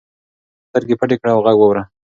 سترګې پټې کړه او غږ واوره.